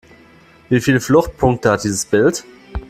Wie viele Fluchtpunkte hat dieses Bild?